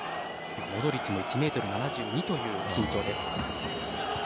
モドリッチも１ｍ７２という身長です。